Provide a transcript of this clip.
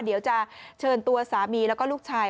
เดี๋ยวจะเชิญตัวสามีแล้วก็ลูกชาย